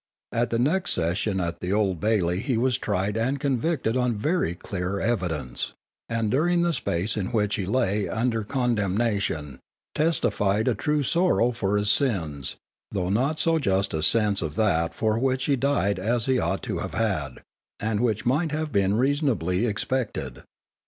At the next sessions at the Old Bailey he was tried and convicted on very clear evidence, and during the space in which he lay under condemnation, testified a true sorrow for his sins, though not so just a sense of that for which he died as he ought to have had, and which might have been reasonably expected.